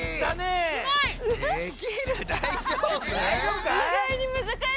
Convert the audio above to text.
だいじょうぶかい？